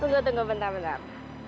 tunggu tunggu bentar bentar